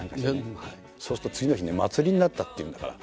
そうすると次の日には祭りになったっていうんだから。